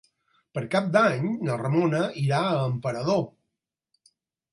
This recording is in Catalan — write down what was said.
Per Cap d'Any na Ramona irà a Emperador.